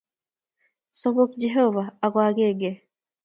Somok J ehovah ago agenge.